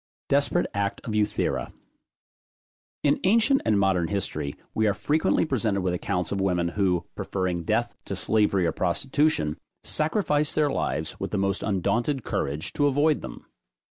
DESPERATE ACT OF EUTHIRA. In ancient and modern history, we are frequently presented with accounts of women, who, preferring death to slavery or prostitution, sacrificed their lives with the most undaunted courage to avoid them.